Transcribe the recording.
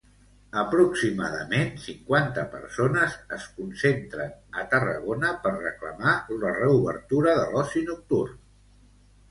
Aproximadament cinquanta persones es concentren a Tarragona per reclamar la reobertura de l'oci nocturn.